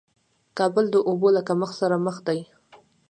کابل د اوبو له کمښت سره مخ دې